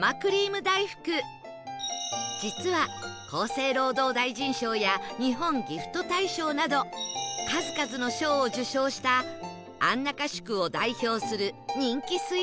実は厚生労働大臣賞や日本ギフト大賞など数々の賞を受賞した安中宿を代表する人気スイーツなんです